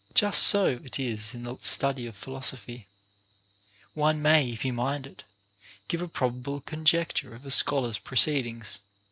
Just so it is in the study of philosophy ; one may, if he mind it, give a probable conjecture of a scholars proceedings.